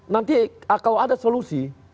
nanti kalau ada solusi